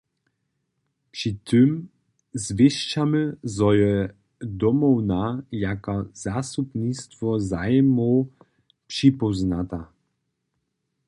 Při tym zwěsćamy, zo je Domowna jako zastupnistwo zajimow připóznata.